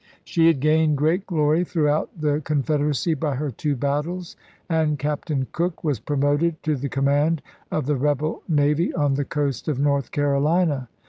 She had gained great glory throughout the Con federacy by her two battles, and Captain Cooke was promoted to the command of the rebel navy on the coast of North Carolina.